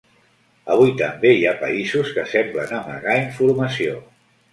Avui també hi ha països que semblen amagar informació.